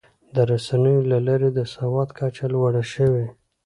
د رسنیو له لارې د سواد کچه لوړه شوې.